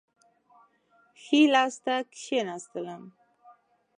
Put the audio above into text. ښي لاس ته کښېنستلم.